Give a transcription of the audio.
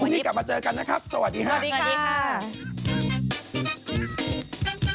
วันนี้กลับมาเจอกันนะครับสวัสดีค่ะ